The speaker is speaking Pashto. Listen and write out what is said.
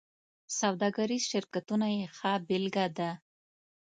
سوداګریز شرکتونه یې ښه بېلګه ده.